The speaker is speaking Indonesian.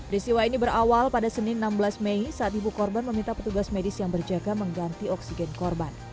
risiwa ini berawal pada senin enam belas mei saat ibu korban meminta petugas medis yang berjaga mengganti oksigen korban